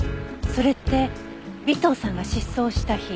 それって尾藤さんが失踪した日。